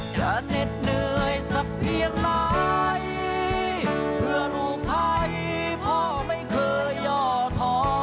เหน็ดเหนื่อยสักเพียงไหนเพื่อลูกไทยพ่อไม่เคยย่อทอ